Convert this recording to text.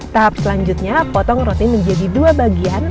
tahap selanjutnya potong roti menjadi dua bagian